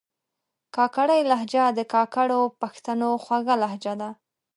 کاکړۍ لهجه د کاکړو پښتنو خوږه لهجه ده